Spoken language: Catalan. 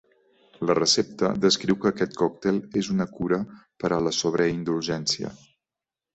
La recepta descriu que aquest còctel és una cura per a la sobreindulgència.